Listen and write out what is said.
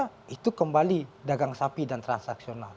karena itu kembali dagang sapi dan transaksional